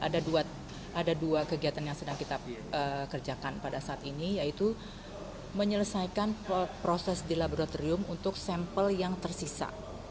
jadi ada dua kegiatan yang sedang kita kerjakan pada saat ini yaitu menyelesaikan proses di laboratorium untuk sampel yang tersisa